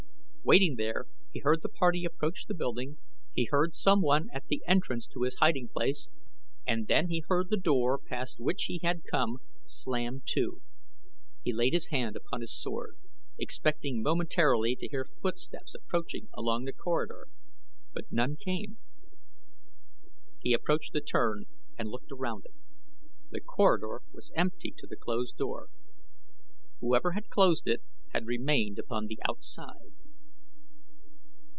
Waiting there he heard the party approach the building, he heard someone at the entrance to his hiding place, and then he heard the door past which he had come slam to. He laid his hand upon his sword, expecting momentarily to hear footsteps approaching along the corridor; but none came. He approached the turn and looked around it; the corridor was empty to the closed door. Whoever had closed it had remained upon the outside.